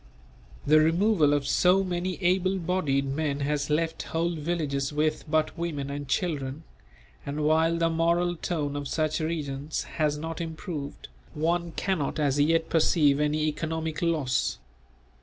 The removal of so many able bodied men has left whole villages with but women and children; and while the moral tone of such regions has not improved, one cannot as yet perceive any economic loss.